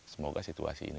semoga situasi ini